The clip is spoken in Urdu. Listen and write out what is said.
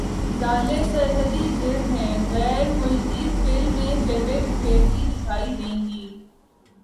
ژالے سرحدی جلد ہی غیر ملکی فلم میں جلوے بکھیرتی دکھائی دیں گی